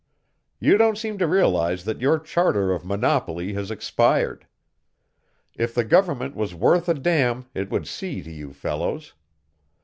"You don't seem to realize that your charter of monopoly has expired. If the government was worth a damn it would see to you fellows.